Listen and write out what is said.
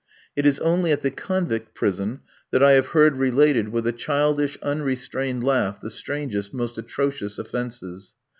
It is only at the convict prison that I have heard related, with a childish, unrestrained laugh, the strangest, most atrocious offences.